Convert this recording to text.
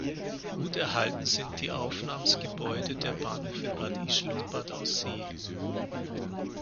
Gut erhalten sind die Aufnahmsgebäude der Bahnhöfe Bad Ischl und Bad Aussee.